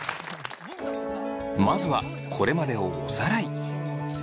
まずはこれまでをおさらい。